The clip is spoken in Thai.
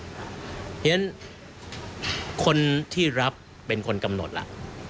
เพราะฉะนั้นคนที่รับเป็นคนกำหนดล่ะ